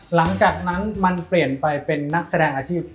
หลังจากนั้นมันเปลี่ยนไปเป็นนักแสดงอาชีพ